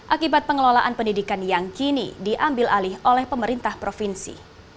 akibat pengelolaan pendidikan yang kini diambil alih oleh pemerintah provinsi